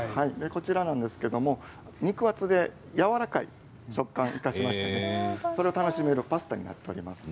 こちらは肉厚でやわらかい食感を生かしまして、それを楽しめるパスタにしております。